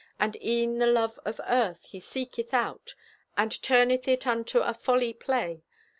And e'en the love of earth he seeketh out And turneth it unto a folly play.